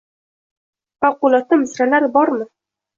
Favqulodda misralar bormi